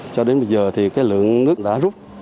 cho đến bây giờ thì cái lượng nước đã rút